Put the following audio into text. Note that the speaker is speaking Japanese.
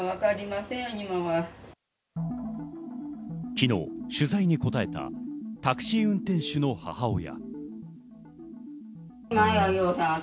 昨日、取材に答えたタクシー運転手の母親。